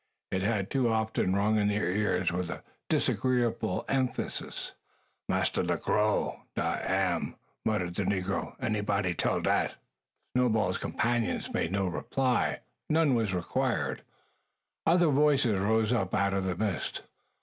It had too often rung in their ears with a disagreeable emphasis. "Massa Le Grow, dat am," muttered the negro. "Anybody tell dat." Snowball's companions made no reply. None was required. Other voices rose up out of the mist.